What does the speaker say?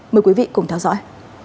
mời quý vị cùng theo dõi